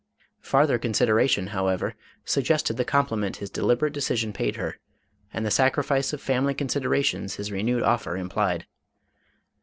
Farther consideration, however, suggest ed the compliment his deliberate decision paid her, and the sacrifice of family considerations his renewed offer implied.